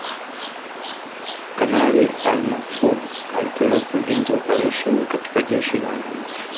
Kanali Ali Mahfoudh aliteuliwa Mkurugenzi wa Operesheni katika Jeshi la Wananchi